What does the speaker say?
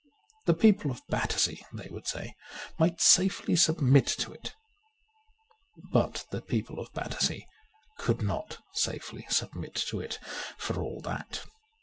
The people of Battersea, they would say, might safely submit to it ; but the people of Battersea could not safely submit to it, for all that.